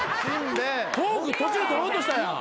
トーク途中で取ろうとしたやん。